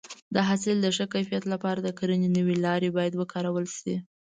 د حاصل د ښه کیفیت لپاره د کرنې نوې لارې باید وکارول شي.